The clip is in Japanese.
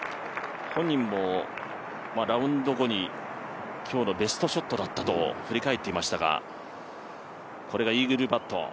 本人もラウンド後に今日のベストショットだったと振り返っていましたがこれがイーグルパット。